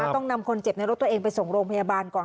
ต้องนำคนเจ็บในรถตัวเองไปส่งโรงพยาบาลก่อน